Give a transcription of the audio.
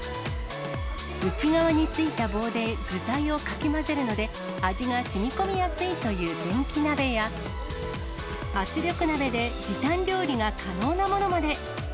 内側についた棒で具材をかき混ぜるので、味がしみこみやすいという人気鍋や、圧力鍋で時短料理が可能なものまで。